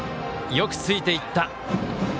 よくついていった。